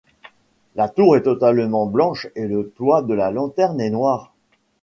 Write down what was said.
La tour est totalement blanche et le toit de la lanterne est noir.